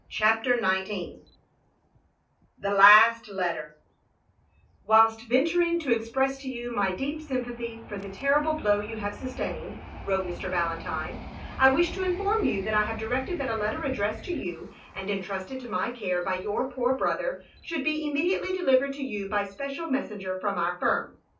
CHAPTER XIX THE LAST LETTER *' Whilst venturing to express to you my deep sympathy for the terrible blow you have sustained, " wrote Mr. Valentine, "/ wish to inform you thai I have directed that a letter addressed to you, and entrusted to my care by your poor brother, should be immediately delivered to you by special mes senger from our firm.